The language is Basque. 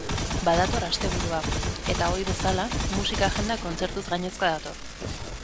Badator asteburua eta, ohi bezala, musika agenda kontzertuz gainezka dator.